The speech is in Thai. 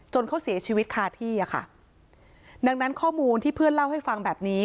เขาเสียชีวิตคาที่อะค่ะดังนั้นข้อมูลที่เพื่อนเล่าให้ฟังแบบนี้